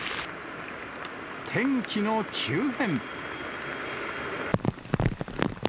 天気の急変。